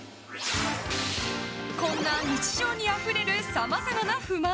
こんな日常にあふれるさまざまな不満。